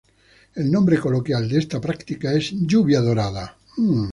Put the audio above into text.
El nombre coloquial de esta práctica es lluvia dorada.